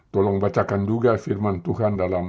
tolong bacakan juga firman tuhan dalam